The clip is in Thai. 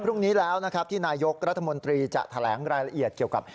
พรุ่งนี้แล้วนะครับที่นายกรัฐมนตรีจะแถลงรายละเอียดเกี่ยวกับ